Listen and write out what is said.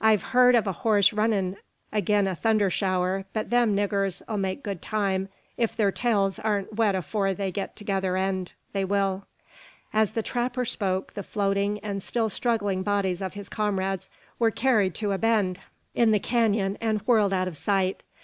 I've heern o' a horse runnin' agin a thunder shower; but them niggurs 'll make good time, if thur tails ain't wet afore they git t'other eend they will." As the trapper spoke, the floating and still struggling bodies of his comrades were carried to a bend in the canon, and whirled out of sight.